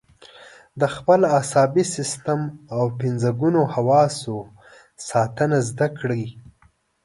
د خپل عصبي سیستم او پنځه ګونو حواسو ساتنه زده کړئ.